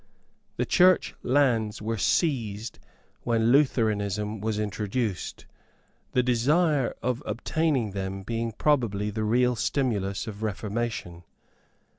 The church lands were seized when Lutheranism was introduced, the desire of obtaining them being probably the real stimulus of reformation.